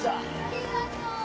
ありがとう。